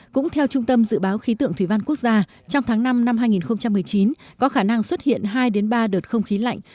cũng theo trung tâm dự báo khí tượng thủy văn quốc gia trong tháng năm năm hai nghìn một mươi chín có khả năng xuất hiện hai ba đợt không khí lạnh